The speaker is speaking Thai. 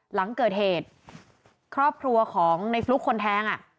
หลังเกิดเหตุครอบครัวของในฟลุ๊กคนแทง